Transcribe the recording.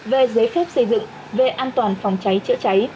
về giấy phép xây dựng về an toàn phòng cháy chữa cháy